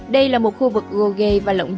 đây là một khu vực gồ gây và lộng đồng